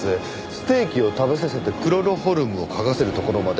ステーキを食べさせてクロロホルムを嗅がせるところまで。